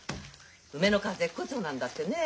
梅ノ川絶好調なんだってねえ。